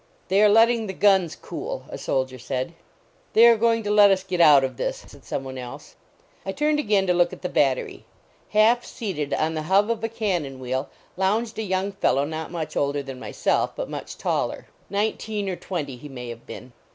"They are letting the guns cool," a soldier said. " They are going to let us get out of this," said some one else. I turned again to look at the battery. Half seated on the hub of a cannon wheel lounged a young fellow not much older than myself, but much taller. Nineteen or twenty he may have been.